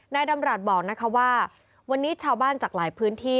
นายดำรัฐบอกนะคะว่าวันนี้ชาวบ้านจากหลายพื้นที่